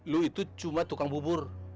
lu itu cuma tukang bubur